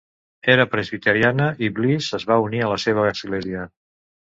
Era presbiteriana i Bliss es va unir a la seva església.